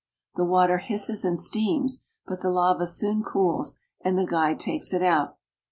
The water hisses and steams, but the lava soon cools and the guide takes it out.